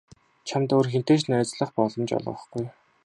Чамд өөр хэнтэй ч найзлах боломж олгохгүй.